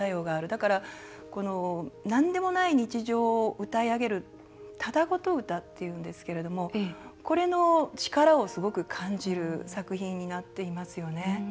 だから、なんでもない日常を歌い上げるただごと歌っていうんですけれどこれの力をすごく感じる作品になっていますよね。